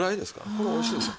これおいしいですよ。